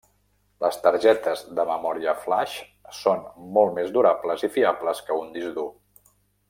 Les targetes de memòria flaix, són molt més durables i fiables que un disc dur.